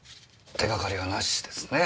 手がかりはなしですね。